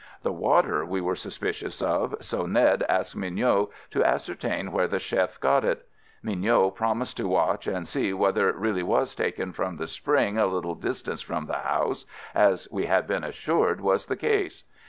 The water we were suspicious of, so Ned asked Mignot to ascertain where the chef got it. Mignot promised to watch and see whether it really was taken from the spring a little distance from the house, as we had been assured was the case.